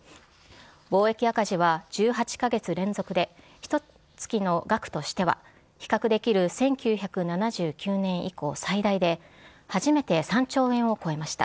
貿易赤字は１８カ月連続でひと月の額としては比較できる１９７９年以降最大で初めて３兆円を超えました。